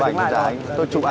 anh kiểm tra chưa